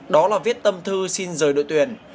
đó là viết tâm thư xin rời đội tuyển